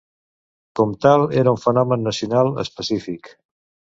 Com tal era un fenomen nacional específic.